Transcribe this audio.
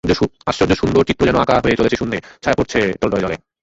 আশ্চর্য সুন্দর চিত্র যেন আঁকা হয়ে চলেছে শূন্যে, ছায়া পড়েছে টলটলে জলে।